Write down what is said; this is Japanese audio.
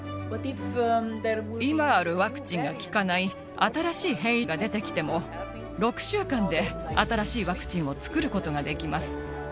今あるワクチンが効かない新しい変異が出てきても、６週間で新しいワクチンを作ることができます。